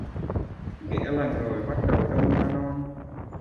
Ghẻ lành rồi, bắt đầu đâm da non